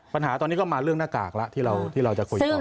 ปัญหาตอนนี้ก็มาเรื่องหน้ากากแล้วที่เราจะคุยกัน